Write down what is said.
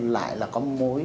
lại là có mối